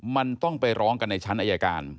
มันต้องไปร้องกันในชั้นอายการ